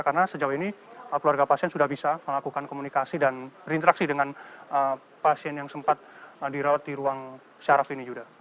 karena sejauh ini keluarga pasien sudah bisa melakukan komunikasi dan berinteraksi dengan pasien yang sempat dirawat di ruang saraf ini juga